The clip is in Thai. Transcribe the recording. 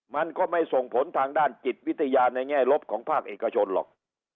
มันก็ไม่ส่งผลทางด้านจิตวิทยาในแง่ลบของภาคเอกชนหรอก